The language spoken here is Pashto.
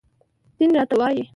دين راته وايي